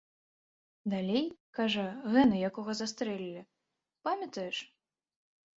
Далей, кажа, гэны, якога застрэлілі, памятаеш?